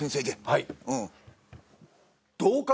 はい。